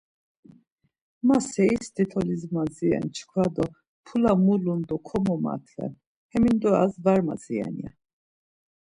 Ma seristi tolis madziren çkva do mpula mulun do komomatven, hemindoras var madziren ya.